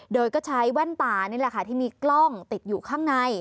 โดยก็ใช้แว่นตานี่แหละค่ะที่มีกล้องติดอยู่ข้างใน